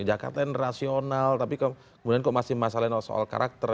jakarta ini rasional tapi kemudian kok masih masalah soal karakter